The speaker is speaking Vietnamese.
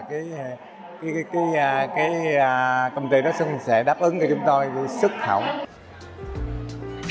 cái công ty đó sẽ đáp ứng cho chúng tôi sức khỏe